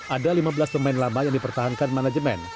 ada lima belas pemain lama yang dipertahankan manajemen